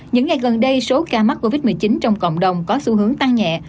những ngày gần đây số ca mắc covid một mươi chín trong cộng đồng có xu hướng tăng nhẹ